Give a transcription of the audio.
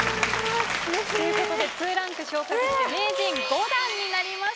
ということで２ランク昇格して名人５段になりました。